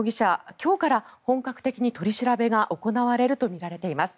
今日から本格的に取り調べが行われるとみられています。